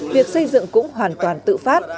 việc xây dựng cũng hoàn toàn tự phát